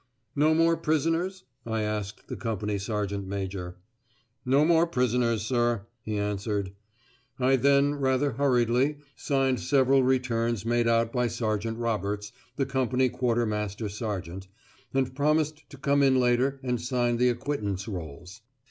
"No more prisoners?" I asked the company sergeant major. "No more prisoners, sir," he answered. I then rather hurriedly signed several returns made out by Sergeant Roberts, the company quartermaster sergeant, and promised to come in later and sign the acquittance rolls.